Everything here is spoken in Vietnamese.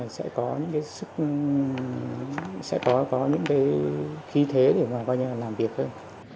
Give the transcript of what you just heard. sẽ có những cái khí thế để làm việc hơn